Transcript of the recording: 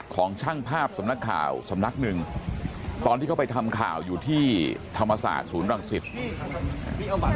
ของช่างภาพสำนักข่าวสำนักหนึ่งตอนที่เขาไปทำข่าวอยู่ที่ธรรมศาสตร์ศูนย์รังสิต